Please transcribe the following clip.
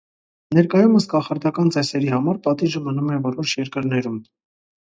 Ներկայումս կախարդական ծեսերի համար պատիժը մնում է որոշ երկրներում։